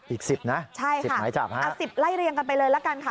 อีก๑๐นะ๑๐หมายจับฮะเอา๑๐ไล่เรียงกันไปเลยละกันค่ะ